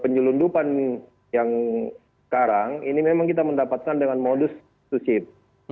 penyelundupan yang sekarang ini memang kita mendapatkan dengan modus to shift